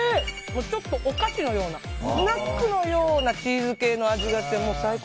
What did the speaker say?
ちょっとお菓子のようなスナックのようなチーズ系の味がしてもう最高！